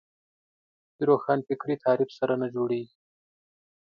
د روښانفکري تعریف سره نه جوړېږي